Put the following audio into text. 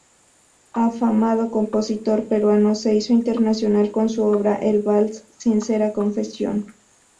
Afamado compositor peruano, se hizo internacional con su obra el vals, ""Sincera confesión"".